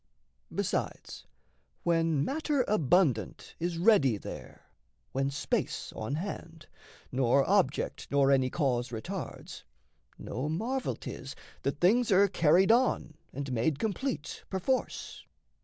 Besides, when matter abundant Is ready there, when space on hand, nor object Nor any cause retards, no marvel 'tis That things are carried on and made complete, Perforce.